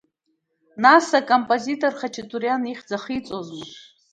Нас акомпозитор Хаҷатуриан ихьӡ ахиҵозма?!